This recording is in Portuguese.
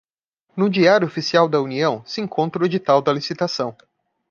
No diário oficial da União, se encontra o edital da licitação